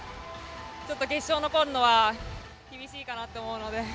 ちょっと決勝に残るのは厳しいかなと思うので。